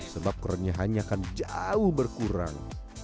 sebab kerenyahannya akan jauh berkurang